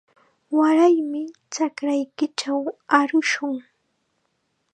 Waraymi chakraykichaw arushun.